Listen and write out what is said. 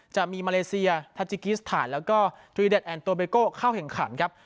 จะมีมาเลเซียทาจิกิสถานแล้วก็จูยเด็ดแอนโตเบโก้เข้าแข่งขันครับ